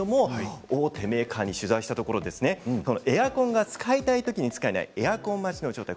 大手メーカーに取材したらエアコンが使いたいときに使えないエアコン待ちの状態